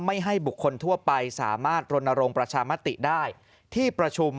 ให้บุคคลทั่วไปสามารถรณรงค์ประชามติได้ที่ประชุม